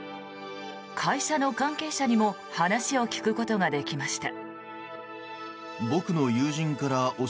会社の関係者にも話を聞くことができました。